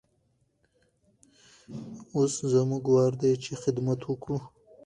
اوس زموږ وار دی چې خدمت وکړو.